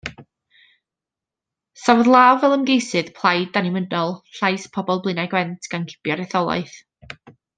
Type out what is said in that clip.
Safodd Law fel ymgeisydd plaid Annibynnol Llais Pobl Blaenau Gwent gan gipio'r etholaeth.